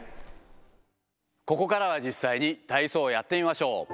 ここからは実際に体操をやってみましょう。